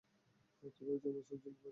কীভাবে জন্মস্থান চিনতে পারছেন না?